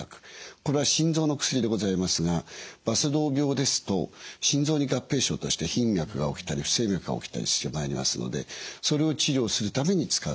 これは心臓の薬でございますがバセドウ病ですと心臓に合併症として頻脈が起きたり不整脈が起きたりしてまいりますのでそれを治療するために使う。